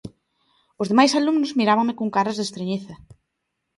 Os demais alumnos mirábanme con caras de estrañeza.